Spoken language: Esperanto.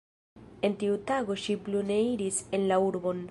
En tiu tago ŝi plu ne iris en la urbon.